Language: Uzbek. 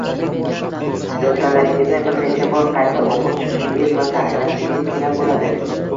Yozganlaringizni bir necha bor qayta o’qib chiqishingiz va tahrirlashingiz kerak bo’ladi